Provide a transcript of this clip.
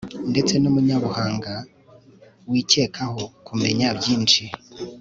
ndetse n'umunyabuhanga wikekaho kumenya byinshi